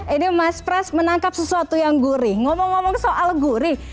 ini mas pras menangkap sesuatu yang gurih ngomong ngomong soal gurih